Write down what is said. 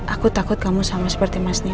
aku takut kamu sama seperti mas nino